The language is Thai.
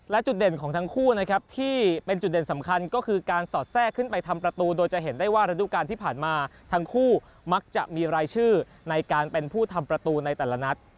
และจุดเด่นของทั้งคู่นะครับที่เป็นจุดเด่นสำคัญก็คือการสอดแทรกขึ้นไปทำประตูโดยจะเห็นได้ว่าระดูการที่ผ่านมาทั้งคู่มักจะมีรายชื่อในการเป็นผู้ทำประตูในแต่ละนัด